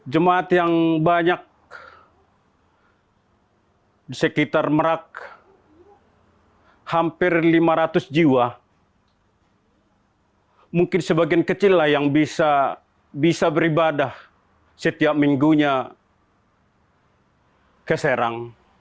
jemaat yang banyak di sekitar merak hampir lima ratus jiwa mungkin sebagian kecil lah yang bisa beribadah setiap minggunya ke serang